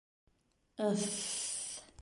Ыҫ-ҫ-ҫ!